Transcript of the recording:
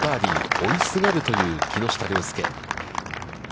追いすがるという木下稜介。